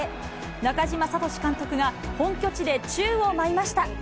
中嶋聡監督が本拠地で宙を舞いました。